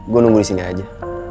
gue nunggu disini aja